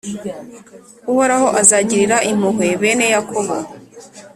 Uhoraho azagirira impuhwe bene Yakobo,